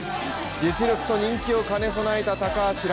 実力と人気を兼ね備えた高橋蘭